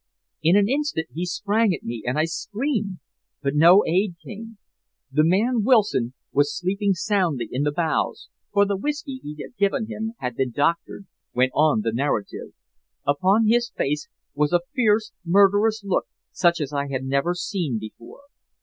"In an instant he sprang at me, and I screamed. But no aid came. The man Wilson was sleeping soundly in the bows, for the whisky he had given him had been doctored," went on the narrative. "Upon his face was a fierce, murderous look such as I had never seen before.